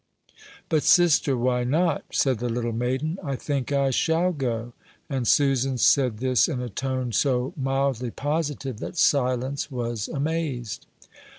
"But, sister, why not?" said the little maiden; "I think I shall go." And Susan said this in a tone so mildly positive that Silence was amazed.